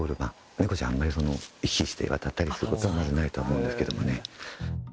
猫ちゃんあんまり行き来して渡ったりすることはまずないとは思うんですけどもね。